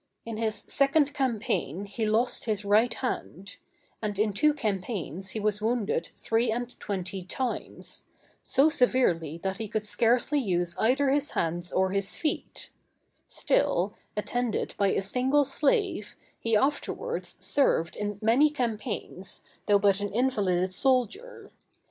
In his second campaign he lost his right hand; and in two campaigns he was wounded three and twenty times—so severely that he could scarcely use either his hands or his feet; still, attended by a single slave, he afterwards served in many campaigns, though but an invalided soldier.